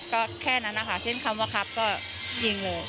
ก็แค่นั้นนะคะเส้นคำว่าครับก็ยิงเลย